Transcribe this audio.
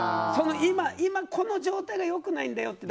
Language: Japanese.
今、この状態が良くないんだよって。